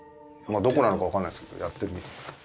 まあどこなのか分かんないですけどやってる。